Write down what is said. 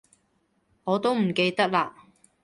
我都唔記得喇